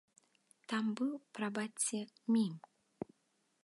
Там быў, прабачце, мім!